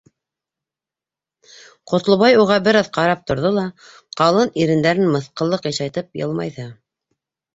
Ҡотлобай уға бер аҙ ҡарап торҙо ла, ҡалын ирендәрен мыҫҡыллы ҡыйшайтып йылмайҙы: